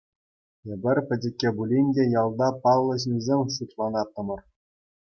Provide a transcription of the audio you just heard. Эпир, пӗчӗккӗ пулин те, ялта паллӑ ҫынсем шутланаттӑмӑр.